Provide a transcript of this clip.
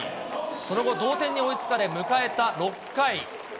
その後同点に追いつかれ迎えた６回。